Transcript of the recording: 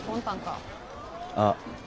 あっ。